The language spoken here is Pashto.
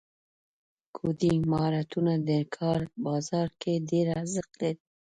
کوډینګ مهارتونه د کار بازار کې ډېر ارزښت لري.